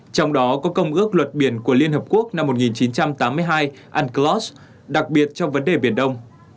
trong đó có công ước luật biển của liên hợp quốc năm một nghìn chín trăm tám mươi hai unclos đặc biệt trong vấn đề biển đông